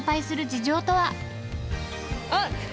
あっ。